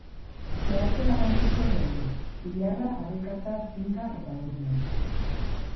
Meatze garrantzitsuak daude: zilarra, harrikatza, zinka eta beruna.